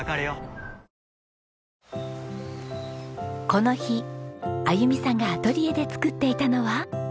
この日あゆみさんがアトリエで作っていたのは。